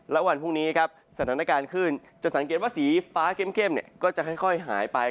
และวันพรุ่งนี้ครับสถานการณ์ขึ้นจะสังเกตว่าสีฟ้าเข้มก็จะค่อยหายไป